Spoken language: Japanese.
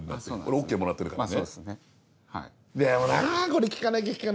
ＯＫもらってるからさ。